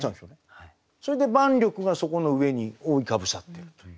それで万緑がそこの上に覆いかぶさってるという。